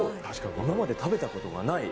今まで食べたことがない